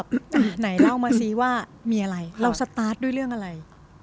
พัดด้วยเรื่องอะไร